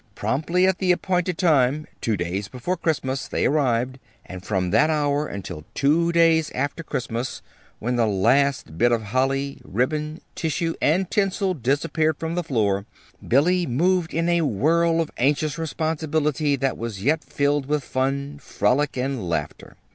Promptly at the appointed time, two days before Christmas, they arrived. And from that hour until two days after Christmas, when the last bit of holly, ribbon, tissue, and tinsel disappeared from the floor, Billy moved in a whirl of anxious responsibility that was yet filled with fun, frolic, and laughter.